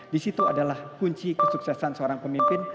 di situ adalah kunci kesuksesan seorang pemimpin